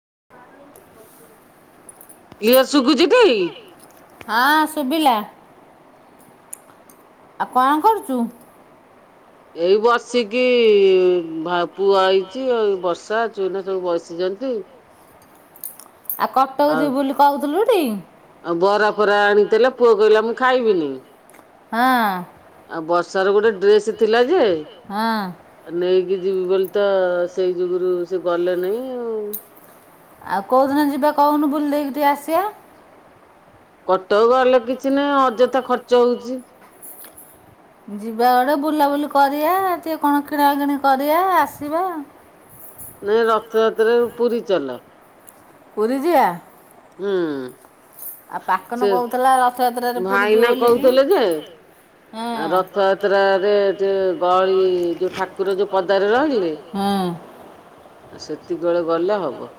[inaudible] ଇଏ ସବୁଚି ଟି? ହଁ, ଶୁବିଲା। ଆଉ କଁ କରୁଚୁ? ଏଇ ବସିକି-ଇ ଆଉ, ପୁଅ ଆଇଚି। ଆଉ ବର୍ଷା [unintelligible] ର ବସିଛନ୍ତି। ଆଉ, କଟକ ଯିବୁ ବୋଲି କହୁଥିଲୁଟି? ବରାପରା ଆଣିଥିଲେ। ପୁଅ କଇଲା ମୁଁ ଖାଇବିନି। ହଁ। ଆଉ, ବର୍ଷା ର ଗୋଟେ ଡ୍ରେସ୍ ଥିଲା ଯେ, ନେଇକିରି ଯିବି ବୋଲି ତ ସେଇ ଯୁଗୁରୁ, ସେ ଗଲେ ନେଇଁ ଆଉ। ଆଉ କୋଉ ଦିନ ଯିବା କହୁନୁ! ବୁଲି ଦେଇକି ଟିକେ ଆସିଆ? କଟକ ଗଲେ କିଛି ନାଇ, ଅଯଥା ଖର୍ଚ୍ଚ ହଉଚି। ଯିବା ଅଡେ ବୁଲାବୁଲି କରିଆ, ଟିକେ କଣ କିଣା କିିଣି କରିଆ, ଆସିବା। ନାଇଁ, ରଥଯାତ୍ରାକୁ ପୁରୀ ଚାଲ। ପୁରି ଯିଆ? ହୁଁ। ଆଉ ପାକନ କହୁଥିଲା, ରଥଯାତ୍ରାରେ ପୁରୀ ଯିବ ବୋଲି କି? ହଁ, ରଥଯାତ୍ରା ରେ ରେ ରହି, ଠାକୁର ଯୋ ପଦାରେ ରହିଲେ ହୁଁ, ସେତିକିବେଳେ ଗଲା ଲୋ।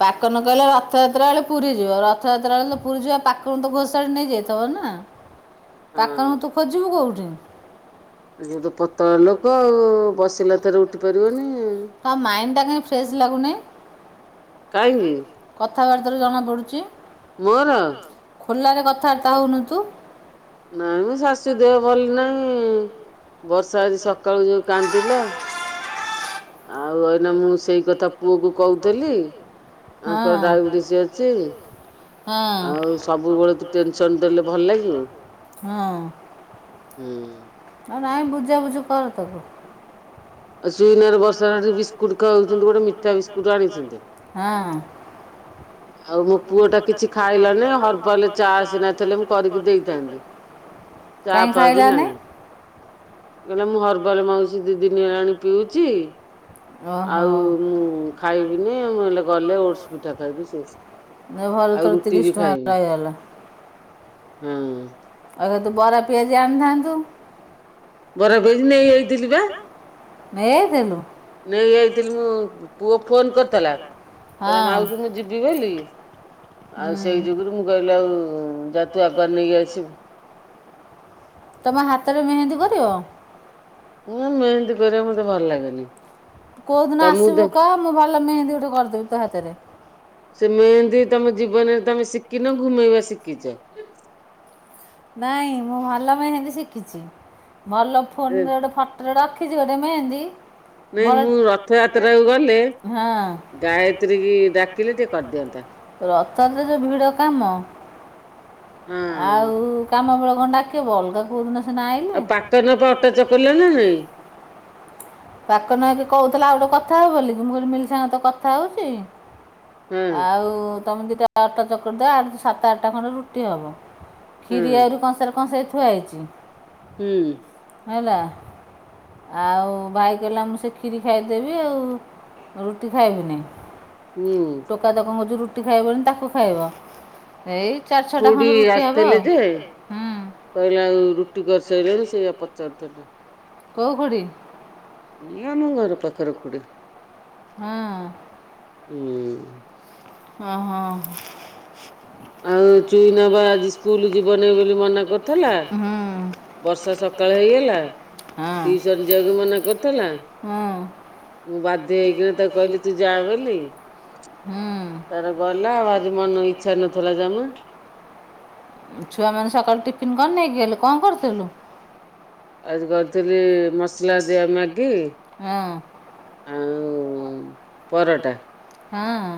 ପା କନ କହିଲା, ରଥଆତ୍ରା ଏଳେ ପୁରୀଯିବା। ରଥଯାତ୍ରା ବେଳେ ତ ପୁରୀଯିବା। ପାକନକୁତ ଘୋଷାଡ଼ି ନେଇଯାଇଥିବ ନା! ପାକନ ତୁ ଖୋଜିବୁ କୋଉଠି? ତା ମାଇଣ୍ଡ ଟା କାଇଁ ଫ୍ରି ଫେସ୍ ଲାଗୁ ନି। କଥାବାର୍ତ୍ତାରୁ ଜଣାପଡ଼ୁଚି। ମୋର! ଖୋଲାରେ କଥାଆର୍ତ୍ତା ହଉନୁତୁ! ନାଇଁ, ମ ଶାଶୁ ଦେହ ଭଲ ନାହିଁ। ବର୍ଷା ଆଜି ସକାଳୁ ଯୋଉ କାନ୍ଦିଲା! ଆଉ ଏ ସେଇ କଥା ପୁଅ କୁ କଉଥିଲି। ଆଙ୍କର ଡାଇବେଟିସ୍ ଅଛି। ଆଉ, ସବୁବେଳେ ତୁ ଟେନସନ୍ ଦେଲେ ଭଲ ଲାଗିବ! ହୁଁ। ନାହିଁ ବୁଝାବୁଝୁ କର ତାକୁ। ଆଉ ସୁଇନର ବର୍ଷା ହେଟି ବିସ୍କୁଟ ଖାଉ କିନ୍ତୁ ଗୋଟେ ମିଠା ବିସ୍କୁଟ ଆଣିଚନ୍ତି। ଆଉ ମୋ ପୁଅ ଟା କିଛି ଖାଇଲାନି ହରବଲ ଚା ସିନା ଥିଲେ ମୁଁ କରିକି ଦେଇଥାନ୍ତି। ଚା ଫା ବି ନାହିଁ। କହିଲା ମୁଁ ହରବଲ ମାଗୁଚି ଦି ଦିନି ହେଲାଣି ପିଉଚି। ଆଉ ମୁଁ ଖାଇବିନି ମୁଁ ହେଲେ ଗଲେ ଓଡସ ପିଠା ଖାଇବି। ସେ ଏ ଭଲ ତୋର ତିରିଶ ଟଙ୍କା ଲହିଗଲା। ହୁଁ। ତ ତୁ ବରା ପିଆଜି ଆଣିଥାନ୍ତୁ। ବରା ପିଆଜି ନେଇ ଆଇଥିଲି ପା। ନେଇ ଆଇଥିଲୁ। ପୁଅ ଫୋନ କରିଥିଲା। କହିଲା ମାଉସୀ ମୁଁ ଯିବି ବୋଲି? ଆଉ ସେଇ ଯୁଗରୁ ମୁଁ କହିଲି ଆଉ ଯାତୁ ଆଗୁଆ ନେଇ ଆସିବୁ। ତମ ହାତରେ ମେହେନ୍ଦୀ କରିବ। ମୁଁ ମେହନ୍ଦି କରିବା ମତେ ଭଲ ଲାଗେନି। କୋଉ ଦିନ ଆସିବୁ କହ ମୁଁ ଭଲ ମେହେନ୍ଦୀ ଗୋଟେ କରିଦେବି ତୋ ହାତରେ। ସେ ମେହେନ୍ଦୀ ତମ ଜୀବନରେ ତମେ ଶିଖିନ ଘୁମେଇବା ଶିଖିଚ। ନାଇଁ ମୁଁ ଭଲ ମେହେନ୍ଦି ଶିକିଚି। ଭଲ ଫୋନରେ ଗୋଟେ ଫୋଟଟେ ରଖିଛି ଗୋଟେ ମେହେନ୍ଦୀ। ବର ରଥଯାତ୍ରା କୁ ଗନେ ହଁ ଗାୟତ୍ରି କି ଡାକିଲେ ସେ କରିଦିଅନ୍ତା। ରଥରେ ଯୋଉ ଭିଡ କାମ। ଆଉ କାମ ଆମ ବେଳ ଡାକିବ ଅଲଗା କଉଦିନ ସିନା ଆଇଲେ। ପାକ ଜକ ଅଟାଚକଟିଲାଣିନା ନାଇଁ। ପାକ ନୂଆବୋଉ କହୁଥିଲା ଆଉ ଗୋଟେ କଥା ହବ ବୋଲି। ମୁଁ କଇଲି ମିଲି ସାଙ୍ଗେ ତ କଥା ହେଉଛି। ଆଉ ତମେ ଦୁଇଟା ଅଟା ଚକୁଟି ଦବ। ଆଠ ସାତ ଆଠଟା ଖଣ୍ଡେ ରୁଟି ହବ। ଖିରି ଆହୁରି କଂସା ରେ କଂସେ ଅ ଥୁଆ ହେଇଚି। ହୁଁ। ହେଲା। ଆଉ ଭାଇ କହିଲା ମୁଁ ସେ କ୍ଷୀରି ଖାଇଦେବି ଆଉ ରୁଟି ଖାଇବିନି। ଟୋକାତ କଣ କହୁଛି ଯୋଉ ରୁଟି ଖାଇବନି ତାକୁ ଖାଇବ। ଏଇ ଚାରି ଛଅଟା ଖଣ୍ଡେ ରୁଟି ହବ ଆଉ। ସେ କହିଲା ଆଉ ରୁଟି କରିସାଇଲିଣି ସେଇଆ ପଚାରୁଥିଲି। କୋଉ ଖୁଡି? ଏଇ ଆମ ଘର ପାଖର ଖୁଡି। ହଁ। ହୁଁ। ଅଁ ହଁ ହୋ। ଆଉ ଚୁଇନବା ଆଜି ସ୍କୁଲ ଯିବନେଇ ବୋଲି ମନା କରିୁଥିଲା। ବର୍ଷା ସକାଳ ହେଇଗଲା ଟିଉସନ ଯିବାକୁ ମନା କରୁଥିଲା। ମୁଁ ବାଧ୍ୟ ହେଇକିରି ତାକୁ କହିଲି ତୁ ଯା ବୋଲି। ହୁଁ। ତାର ଗଲା ଭାରି ମନ ଇଛା ରେ ଛୁଆ ମାନେ ସକାଳୁ ଟିଫିନ କଣ ନେଇକି ଗଲେ। କଣ କରୁଥୁଲୁ? ଆଜି କରିଥିଲି ମସଲା ଦିଆ ମ୍ୟାଗି। ଆଉ ହୁଁ। ପରଟା ହଁ।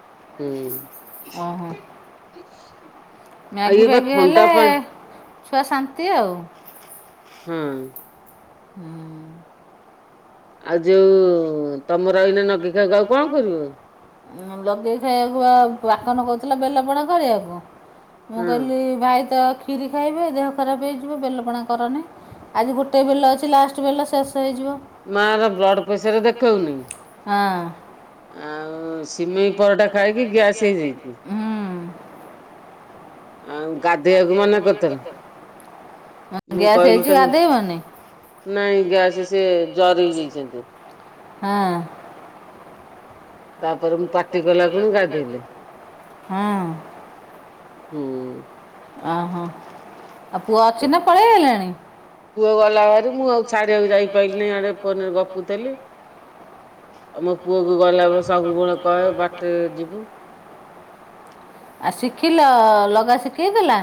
ହୁଁ। ମ୍ୟାଗି ଫ୍ୟାଗି ହେଲେ ଛୁଆ ଶାନ୍ତି ଆଉ। ହୁଁ। ହୁଁ। ଆଉ ଯୋଉ ତମର ଏଇନା ନଗି ଖାଇକୁ ଆଉ କଣ କରିବ? ଉଁ ଲଗେଇ ଖାଇବାକୁ ପା ପାକନ କ ଲା ଲବଣ କରିବାକୁ ମୁଁ କହିଲି ଭାଇ ତ କ୍ଷୀରି ଖାଇବେ ଦେହ ଖରାପ ହେଇଯିବ ବେଲ ପଣା କରନି ଆଜି ଗୋଟିଏ ବେଲ ଅଛି ଲାଷ୍ଟ ବେଲ ଶେଷ ଶେଷ ହେଇଯିବ। ପଇସାରେ ଦେଖଉନି ଆଉ ସିମେଇ ପରଟା ଖାଇକି ଗ୍ୟାସ ହେଇଯାଇଛି ହଁ ଆଉ ଗାଧେଇବାକୁ ମନା କରୁଥିଲା ମ ଗ୍ୟାସ୍ ହେଇଛି ଗାଧେଇବନି? ନାଇଁ। ଗ୍ୟାସ ସିଏ ଜରି ନେଇଛନ୍ତି। ହଁ। ତାପରେ ମୁଁ ପାଟି କଲାଠୁ ମୁଁ ଗାଧେଇଲି। ହୁଁ। ଓହୋ ଆଉ ପୁଅ ଅଛି ନା ପଳେଇଗଲେଣି? ପୁଅ ଗଲା ହେରି ମୁଁ ଆଉ ଛାଡିବାକୁ ଯାଇପାରିଲି ନାଇଁ ଇଆଡେ ଫୋନରେ ଗପୁଥିଲି। ଆ ମୋ ପୁଅ ଗଲାବେଳେ ସବୁବେଳେ କହେ ବାଟେ ଯିବୁ ଆ ଶିଖିଲ ଲଗା ଶିଖେଇ ଦେଲା?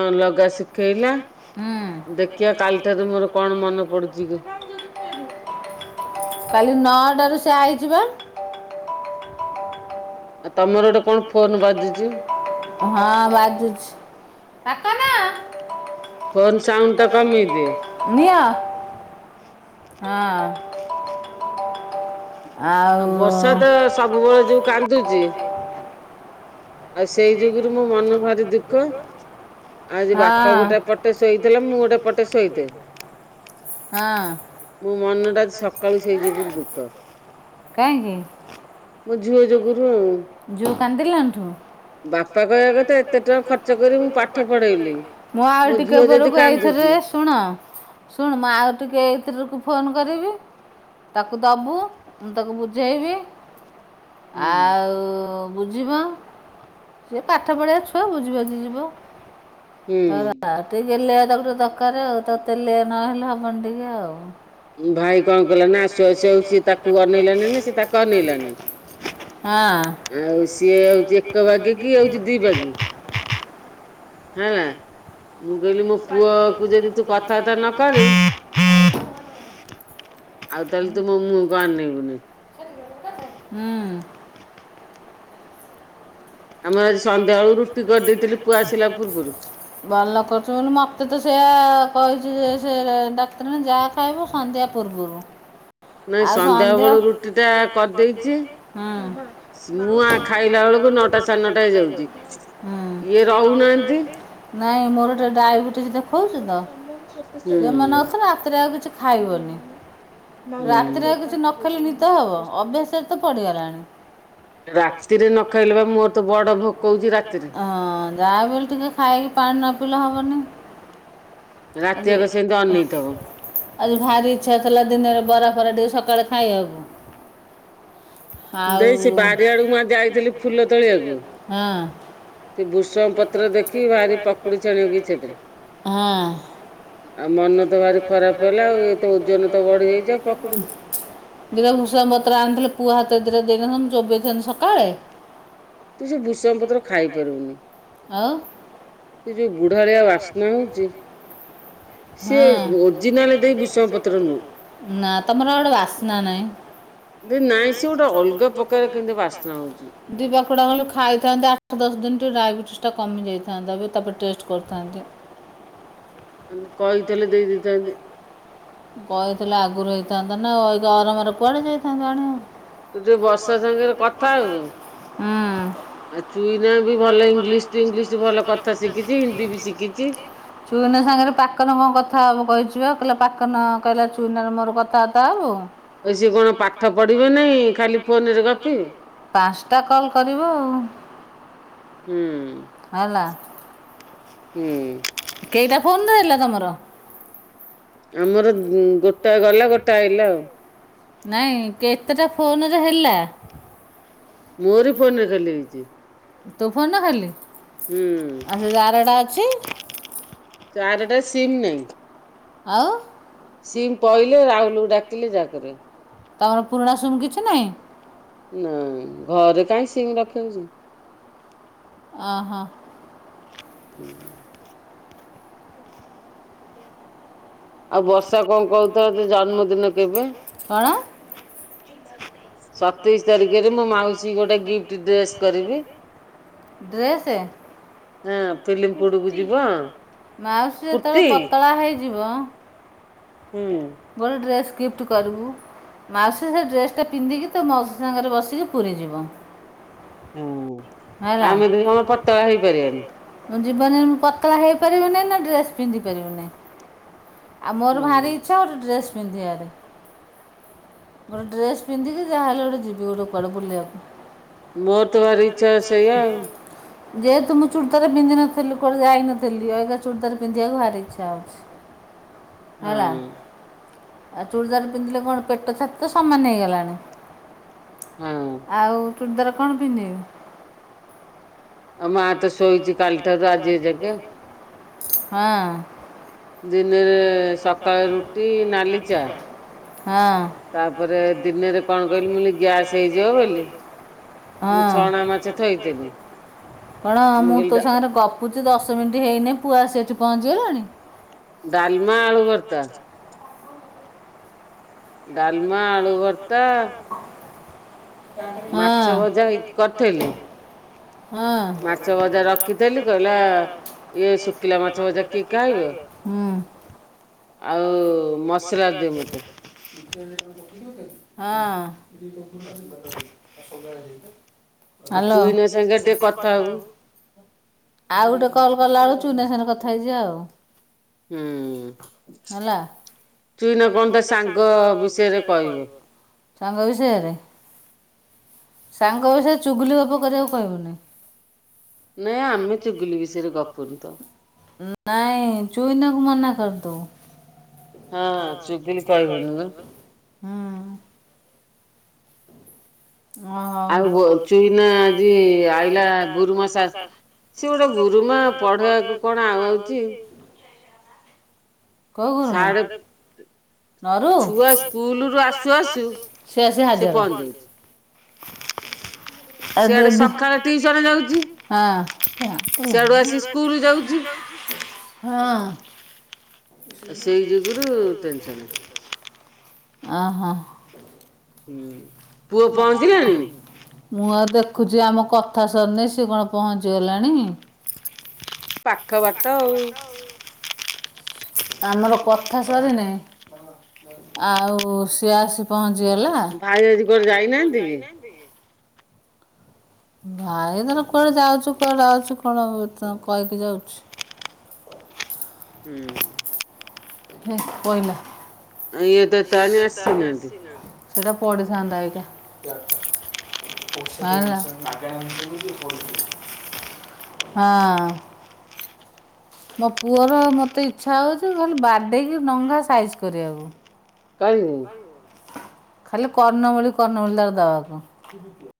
ହଁ ଲଗା ଶିଖେଇଲା ଦେଖିଆ କାଲି ଠାରୁ ମୋର କଣ ମନେ ପଡୁଛି? [unintelligible] କାଲି ନଅଟା ରୁ ସେ ଆଇଚି ପା ତମର ଗୋଟେ କଣ ଫୋନ୍ ବାଜୁଛି? ହଁ ବାଜୁଛି ପାକନ ନିଅ [inaudible] ହଁ [inaudible] ଆଉ ବର୍ଷା ତ ସବୁବେଳେ ଯୋଉ କାନ୍ଦୁଚି? ଆଉ ସେଇ ଯୁଗରୁ ମୋ ମନ ଭାରି ଦୁଃଖ। ଆଜି ବାପା ଗୋଟେ ପଟେ ଶୋଇଥିଲା ମୁଁ ଗୋଟେ ପଟେ ଶୋଇଥେ ମୋ ମନଟା ସକାଳୁ ସେଇ ଯୋଗୁରୁ ଦୁଃଖ। କାହିଁକି ଯୋଉ କାନ୍ଦିଲାଠୁ? [unintelligible] ମୁଁ ଆଉ ଟିକେ ପରେ ଶୁଣ ଶୁଣ ଆଉ ଟିକେ ଏଥିରୁ ତାକୁ ଦବୁ ମୁଁ ତାକୁ ବୁଝେଇବି ଆଉ ବୁଝିବା ସିଏ ପାଠ ପଢିଆ ଛୁଆ ବୁଝି ବାଝିଯିବ। ଟିକେ ଗଲେ ତା ଗୋଟେ ଦରକାର ଆଉ ତେଲେଇବା ନହେଲେ ହବନି ଟିକେ। ଆଉ ଭାଇ କଣ କଲା ନା ଶୋଉ ଶୋଉ ସିଏ ତାକୁ ଅନେଇଲାନି ନା ସେ ତାକୁ ଅନେଇଲାନି ଆଉ ସିଏ ହଉଛି ଏକ ବାଗି କି ହଉଛି ଦି ବାଗି। [inaudible] [inaudible] ଆଉ ତାହେଲେ ତୁ ମୋ ମୁହଁ କୁ ଅନେଇବୁନି। ହୁଁ। ଭଲ କରଛୁ ମତେ ତ ସେୟା କହିଛୁ ଯେ ସେ ଡାକ୍ତରମାନେ ଯାହା ଖାଇବ ସନ୍ଧ୍ୟା ପୂର୍ବରୁ। [inaudible] ହଁ। ବେଳକୁ ନଟା ଟା ହେଇ ଯାଉଚି। ନାଇଁ ମୋର ଟେ ଡାଇବେଟି ଦେଖାଉଛି ତ। ଇଏ ମନା କରିଥିଲେ ରାତିରେ ଆଉ କିଛି ଖାଇବନି। ରାତିରେ ଆଉ କିଛି ନ ଖେଲେ ନି ତ ହବ ଅଭ୍ୟାସରେ ତ ପଡିଗଲାଣି। ରାତିରେ ନ ଖାଇଲେ ବା ମୋର ତ। ହଁ ଯାହାବ ଟିକେ ଖାଇକି ପାଣି ନ ପିଲା ହବନି। ରାତି ଆଗ ସେମିତି ଅନେଇଥବ। ଆଜି ଭାରି ଇଛା ଥିଲା ଦିନରେ ବରା ଫରା ଟିକେ ସକାଳେ ଖାଇବାକୁ। ଦେଇ ସେ ବାରିଆଡକୁ ମା ଯାଇଥିଲି ଫୁଲ ତୋଳିବାକୁ। ହଁ। ଗୁସ୍ସା ପତ୍ର ଦେଖି ଭାରି ପକଡୀ କରିବାକୁ ଇଛା ଥିଲା। ଆଉ ମନ ତ ଭାରି ଖରାପ ହେଲା ଆଉ ଏଇଏ ତ ଓଜନ ତ ବଢି ଯାଇଛ ପକୁଡି। ଦୀରେ ହୁସୁମ ପତ୍ର ଆଣିଥିଲେ ପୁଅ ହାତ ଦରେ ଦିଟା ଦେଇନଥାନ୍ତୁ ଚୋବେଇ ଥାନ୍ତି ସକାଳେ। ତୁ ସେ ଭୃସଙ୍ଗ ପତ୍ର ଖାଇ ପାରିବୁନି। ସେ ଯୋଉ ବୁଢାଳିଆ ବାସ୍ନା ହଉଛି। ହଁ ନା ତମର ଆଟେ ବାସ୍ନା ନାଇଁ। ଦିବା ଖୁଡା ହ ଖାଇଥାନ୍ତେ ଆଠ ଦଶ ଦିନ ଟ ଡାଇବେଟିସ୍ଟା କମିଯାଇଥାନ୍ତା ଏବେ ତାପରେ ଟେଷ୍ଟ କରିଥାନ୍ତି। କହିଥିଲ ଆଗରୁ ହେଇ [inaudible] ଗରାମରେ କୁଆଡେ ନେଇଥାନ୍ତୁ ଆଣିବାକୁ। ହୁଁ। [unintelligible] ତୋ ସାଙ୍ଗରେ ପାକନ କଁ କଥା ହେବ କହିଛିିବା କହିଲେ ପାକନ କହିଲା ଚୁଇନାର ମୋର କଥାବାର୍ତ୍ତା ହେବ ଆଉ। ଆଜି। ପାଞ୍ଚଟା କଲ କରିବ ଆଉ। ହୁଁ ହୁଁ। କେଇଟା ଫୋନ୍ ଧଇଲ ତମର। ଆମର ଗୋଟା ଗଲା ଗୋଟା ଆଇଲା ଆଉ ନାଇଁ କେତେଟା ଫୋନରେ ହେଲା। ତୁ ଫୋନ ନ କଲେ। ଆଉ ସେଇ ଗାରଟା ଅଛି। ଆଉ। ସିମ ପଇଲେ ରାଉଲୁକୁ ଡାକିଲେ ଯାହାକରିବ। ନାଇଁ ଘରେ। କହିଁ ସିଙ୍ଗ ରଖାଉଛି। ଅ ହଁ। ହୁଁ। [inaudible] ଆଉ ବର୍ଷା କଣ କହୁଥାଏ ଜନ୍ମଦିନ କେବେ। ସତେଇଶି ତାରିଖରେ ମୋ ମାଉସୀ ଗୋଟେ ଗିଫ୍ଟ ଡ୍ରେସ୍ କରିବି। ଡ୍ରେସ ଏ। ହଁ ଫିଲ୍ମ କୋଟ କୁ ଯିବ। ଓ ପତଳା ହେଇଯିବ। ବଡ ଡ୍ରେସ ଗିଫ୍ଟ କରିବୁ। ମାଉସୀ ସେ ଡ୍ରେସ୍ ପିନ୍ଧିକି ତ ମାଉସୀ ସାଙ୍ଗରେ ବସିକି ପୁରୀ ଯିବ। ହଁ ଆମେ ତ କଣ ପତଳା ହେଇପାରିବନି। ମୁଁ ଜୀବନ ରେ ମୁଁ ପକଳା ହେଇପାରିବେନି ନା ଡ୍ରେସ ପିନ୍ଧି ପାରିବିନି। ଆଉ ମୋର ଭାରି ଇଚ୍ଛା ଗୋଟେ ଡ୍ରେସ୍ ପିନ୍ଧିବାରେ। ଡ୍ରେସ ପିନ୍ଧି କି ଯାହାହେଲେ ଯିବି କଆଡେ ବୁଲିବାକୁ। ମୋର ତ ଭାରି ଇଚ୍ଛା ସେଇଆ ଆଉ। ଯେହେତୁ ମୁଁ ଚୁଡ଼ିତାରେ ପିନ୍ଧିନଥିଲି କୁଆଡ଼େ ଯାଇନଥିଲି ଏଇନା ଚୁଡୁଦାର ପିନ୍ଧିବାକୁ ଭାରି ଇଚ୍ଛା ହଉଛି। [unintelligible] ହୁଁ। ଆଉ ଚୂଡ଼ିଦାର ପିନ୍ଧିଲେ କଣ ପେଟ ଛାତି ତ ସମାନ ହେଇଗଲାଣି। ଆଉ ଚୁଡ଼ିଦାର କଣ ପିନ୍ଧିବୁ? ଆ ମା ଆ ତ ସୋଇଛି କାଲିଠାରୁ ରାଜି ଏଜା କେ ହଁ। ଦିନରେ ସକାଳେ ରୁଟି ନାଲି ଚା ତାପରେ ଦିନରେ କଣ କହିଲି ମୁଁ ଗ୍ୟାସ୍ ହେଇଯିବ ବୋଲି ହଁ। [unintelligible] କଣ ମୁଁ ତୋ ସାଙ୍ଗରେ ଗପୁଛି ଦଶ ମିନିଟ୍ ହେଇନି ପୁଅ ଆସି ଏଠି ପହଞ୍ଚିଗଲାଣି? ଦାଲମା ଆଳୁ ଭରତା ଡାଲମା ଆଳୁ ଭରତା ହଁ। [unintelligible] ହଁ, ମାଛ ଭଜା ରଖିଥିଲି, କହିଲା, ଏ ସୁଖିଲା ମାଛ ଭଜା କିଏ ଖାଇବ? ହୁଁ। ଆଉ ମସୁର [unintelligible] ହଁ [unintelligible] ଆଉ ଗୋଟେ କଲ କଲା ବେଳକୁ ଚୁନୀଆ ସାଙ୍ଗରେ କଥା ହେଇଯିବା ଆଉ ହୁଁ। ହେଲା ତୁଇ ନା କହ ତ ସାଙ୍ଗ ବିଷୟରେ କହିବୁ ସାଙ୍ଗ ବିଷୟରେ? ସାଙ୍ଗ ବିଷୟରେ ଚୁଗୁଲି ଗପ କରିବାକୁ କହିବୁନି। ନାଁ। ନାଇଁ ଚୁଇନାକୁ ମନା କରିଦେ ହଁ ଚୁଗୁଲି କହିଵନି ପା ଆଉ ଚୁଇନାଜି ଆଇଲା ଗୁରୁମାସା ସିଏ ଗୋଟେ ଗୁରୁମା ପଢେଇବାକୁ କଣ [unintelligible] ଆଗଉଛି କଣ [unintelligible] ନରୁ? ସେ ଆସି ହାଜର। ସିଆଡେ ସକାଳେ ଟିଉସନ ଯାଉଛି। ହଁ। ହଁ। ଓ ହୋ। ହୁଁ ପୁଅ ପହଞ୍ଚିଲାଣି? ମୁଁ ଆଉ ଦେଖୁଛି ଆମ କଥା ସରିନି ସିଏ କଣ ପହଞ୍ଚିଗଲାଣି? ପାଖ ବାଟ ଆଉ। ଆମର କଥା ସରିନି ଆଉ ସିଏ ଆସି ପହଞ୍ଚି ଚିଗଲା। ଭାଇତାର କୁଆଡେ ଯାଉଛୁ କୁଆଡେ ଆଉଛୁ କଣ କହିକି ଯାଉଛି? [inaudible] ହୁଁ। ପଇଲା? ଇଏ ତ [unintelligible] ତଣି ଆସିଛି ନାହାନ୍ତି? ସେଇଟା ପଡ଼ି ଥାନ୍ତା ଏଇକା? [unintelligible] ହଁ। ମୋ ପୁଅର ମୋତେ ଇଚ୍ଛା ହେଉଛି ଖାଲି ବାଡ଼େଇକି ଡଙ୍ଗା ସାଇଜ୍ କରିବାକୁ କାଇଁ କି? ଖାଲି କର୍ଣ୍ଣମୁଳି କର୍ଣ୍ଣମୁଳି ତାର ଦବାକୁ?